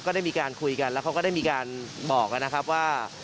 ได้มีการคุยกันแล้วเขาก็ได้มีการบอกนะครับว่า